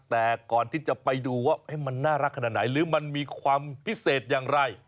แต่ก่อนที่จะไปดูว่ามันน่ารักขนาดไหนหรือมันมีความพิเศษอย่างไร